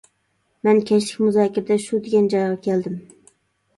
مەن كەچلىك مۇزاكىرىدە شۇ دېگەن جايغا كەلدىم.